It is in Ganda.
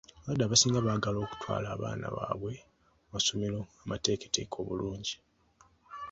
Abazadde abasinga baagala okutwala abaana baabwe mu masomero amateeketeeke obulungi.